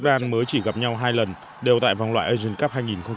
việt nam và jordan mới chỉ gặp nhau hai lần đều tại vòng loại asian cup hai nghìn một mươi chín